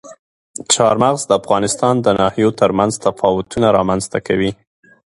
چار مغز د افغانستان د ناحیو ترمنځ تفاوتونه رامنځ ته کوي.